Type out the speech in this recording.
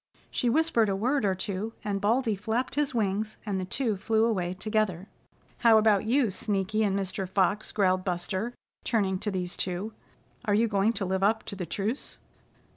She whispered a word or two, and Baldy flapped his wings, and the two flew away together. "How about you, Sneaky and Mr. Fox?" growled Buster, turning to these two. "Are you going to live up to the truce?"